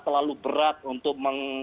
terlalu berat untuk